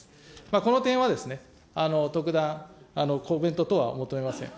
この点は特段、コメント等は求めません。